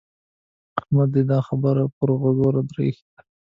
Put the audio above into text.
احمد دې دا خبره پر غوږو در اېښې ده.